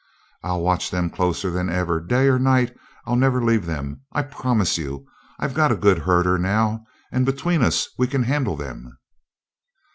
I'll watch them closer than ever day or night I'll never leave them. I'll promise you! I've got a good herder now and between us we can handle them."